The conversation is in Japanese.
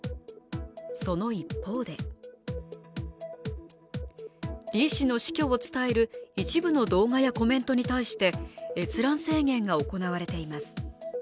その一方で、李氏の死去を伝える一部の動画やコメントに対して閲覧制限が行われています。